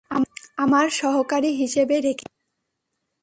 আমার সহকারী হিসেবে রেখেছি।